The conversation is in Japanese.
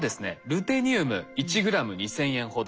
ルテニウム１ｇ２，０００円ほど。